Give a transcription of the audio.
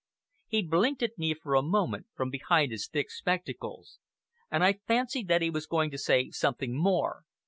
He blinked at me for a moment from behind his thick spectacles, and I fancied that he was going to say something more.